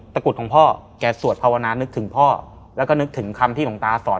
กรุดของพ่อแกสวดภาวนานึกถึงพ่อแล้วก็นึกถึงคำที่หลวงตาสอน